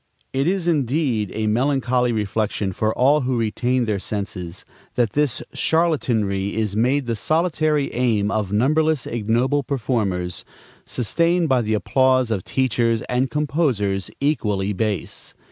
It is indeed a melancholy reflection, for all who retain their senses, that this charlatanry is made the solitary aim of numberless ignoble performers, sustained by the applause of teachers and composers equally base.